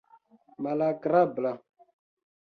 malagrabla